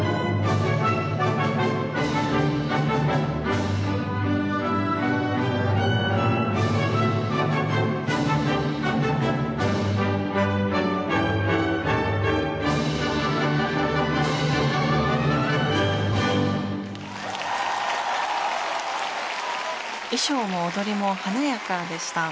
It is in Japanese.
次は衣装も踊りも華やかでした。